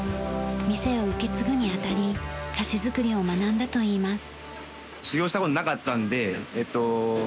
店を受け継ぐにあたり菓子作りを学んだといいます。